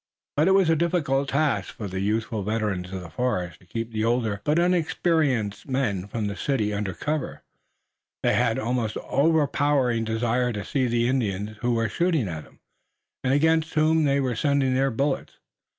But it was a difficult task for the youthful veterans of the forest to keep the older but inexperienced men from the city under cover. They had an almost overpowering desire to see the Indians who were shooting at them, and against whom they were sending their bullets.